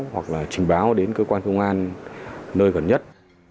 hoặc là trình báo đến cơ quan công an nơi gần nhất